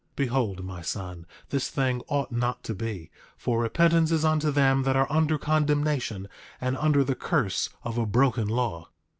8:24 Behold, my son, this thing ought not to be; for repentance is unto them that are under condemnation and under the curse of a broken law.